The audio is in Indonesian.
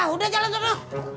udah jalan toto